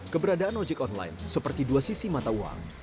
keberadaan ojek online seperti dua sisi mata uang